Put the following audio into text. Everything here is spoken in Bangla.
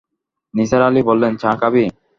নিসার আলি বললেন, চা খাবি?